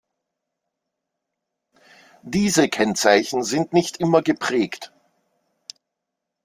Diese Kennzeichen sind nicht immer geprägt.